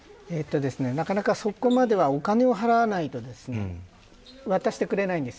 なかなか、そこまではお金を払わないと渡してくれないんですよ。